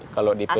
kalau di pulau